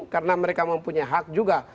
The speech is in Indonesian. karena mereka mempunyai hak juga